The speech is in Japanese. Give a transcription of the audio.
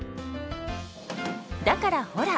だからほら！